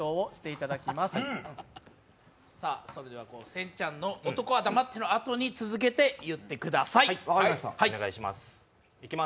せんちゃんの男は黙ってのあとに続けて言ってください。